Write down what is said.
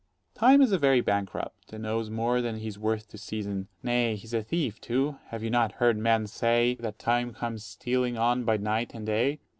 Dro. S. Time is a very bankrupt, and owes more than he's worth to season. Nay, he's a thief too: have you not heard men say, That Time comes stealing on by night and day?